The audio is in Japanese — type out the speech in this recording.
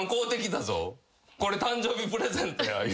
「これ誕生日プレゼントや」